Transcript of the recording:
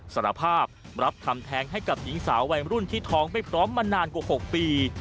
สารภาพรับทำแท้งให้กับหญิงสาววัยรุ่นที่ท้องไม่พร้อมมานานกว่า๖ปี